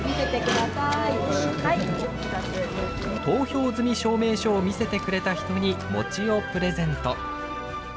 投票済証明書を見せてくれた人に餅をプレゼント。